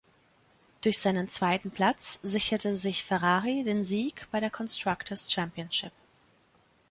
Durch seinen zweiten Platz sicherte sich Ferrari den Sieg bei der Constructors' Championship.